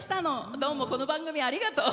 どうも、この番組ありがとう。